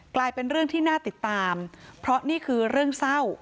กลายเป็นเรื่องที่น่าติดตามเพราะนี่คือเรื่องเศร้า